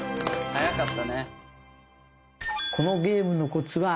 早かったね！